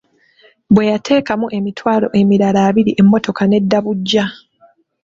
Bwe yateekamu emitwalo emirala abiri emmotoka n'edda buggya.